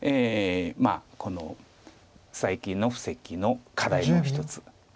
まあこの最近の布石の課題の一つ。